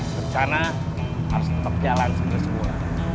rencana harus tetap jalan sebenarnya semua